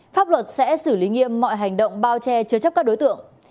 pháp luật sẽ xử lý nghiêm mọi hành động bao che chứa chấp các đối tượng